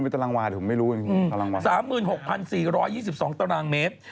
๓หมื่น๖พัน๔๒๒ตรเมตร